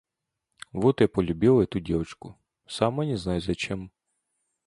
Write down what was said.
Вот я полюбила эту девочку, сама не знаю зачем.